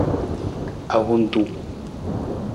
Ahuntung.